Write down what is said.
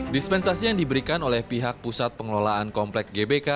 dispensasi yang diberikan oleh pihak pusat pengelolaan komplek gbk